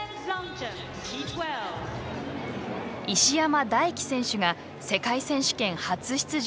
石山大輝選手が世界選手権初出場。